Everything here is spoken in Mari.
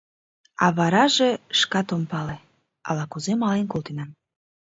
А вараже... шкат ом пале... ала-кузе мален колтенам.